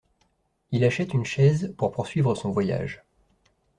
Il achète une chaise pour poursuivre son voyage.